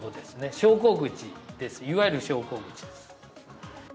昇降口です、いわゆる昇降口です。